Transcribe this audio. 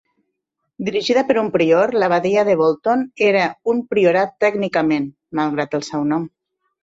Dirigida per un prior, l'Abadia de Bolton era un priorat tècnicament, malgrat el seu nom.